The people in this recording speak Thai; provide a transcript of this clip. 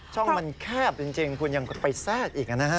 ช่องมันแคบจริงคุณยังไปแทรกอีกนะฮะ